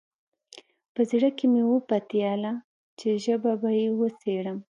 په زړه کې مې وپتېیله چې ژبه به یې وڅېړم.